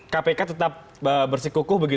kpk tetap bersikukuh